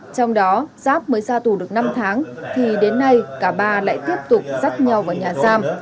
trong đó giáp mới ra tù được năm tháng thì đến nay cả ba lại tiếp tục dắt nhau vào nhà giam